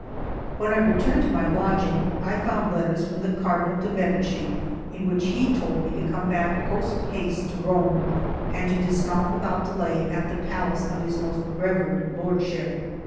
When I returned to my lodging, I found letters from the Cardinal de' Medici, in which he told me to come back post haste to Rome, and to dismount without delay at the palace of his most reverend lordship.